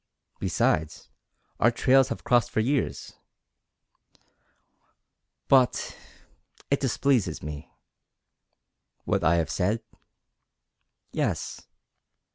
Besides, our trails have crossed for years." "But it displeases me." "What I have said?" "Yes."